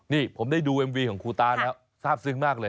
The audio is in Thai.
นี่ผมได้ดูมวิคาร์ของคุณตาแล้วทราบซึ้งมากเลย